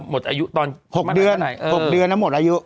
หมดอายุตอน๖เดือนแล้วหมดอายุ